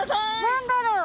何だろう？